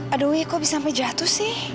aduh kok bisa sampai jatuh sih